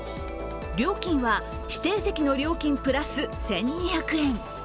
料金は指定席の料金プラス１２００円。